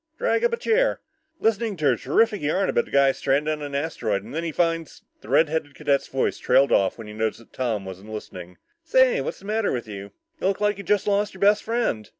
"Drag up a chair. Listening to a terrific yarn about a guy stranded on an asteroid and then he finds " The redheaded cadet's voice trailed off when he noticed that Tom wasn't listening. "Say, what's the matter with you? You look like you just lost your best friend."